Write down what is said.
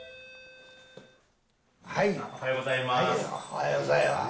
おはようございます。